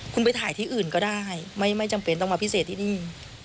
คุณไปถ่ายที่อื่นก็ได้ไม่จำเป็นต้องมาพิเศษที่นี่